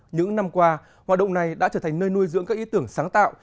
những năm qua hoạt động này đã trở thành nơi nuôi dưỡng các ý tưởng sáng tạo